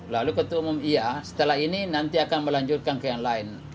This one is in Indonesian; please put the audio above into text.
lalu ketua umum iya setelah ini nanti akan melanjutkan ke yang lain